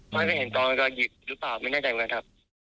ไม่ไม่เห็นตอนหยิบหรือเปล่าไม่แน่ใจเหมือนกันครับ